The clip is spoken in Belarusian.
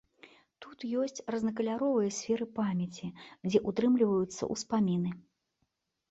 Тут ёсць рознакаляровыя сферы памяці, дзе ўтрымліваюцца ўспаміны.